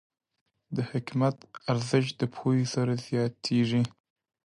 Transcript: د حکمت ارزښت د پوهې سره زیاتېږي.